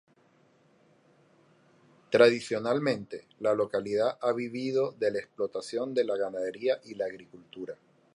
Tradicionalmente, la localidad ha vivido de la explotación de la ganadería y la agricultura.